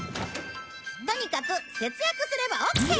とにかく節約すればオッケー！